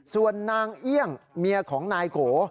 ส่วนนางเอี่ยงเมียของนายโก